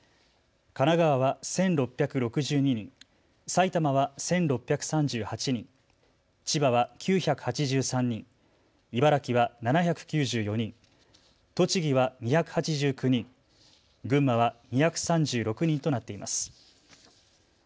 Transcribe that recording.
神奈川は１６６２人、埼玉は１６３８人、千葉は９８３人、茨城は７９４人、栃木は２８９人、群馬は２３６人となっています。